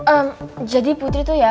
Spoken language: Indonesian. em jadi putri tuh ya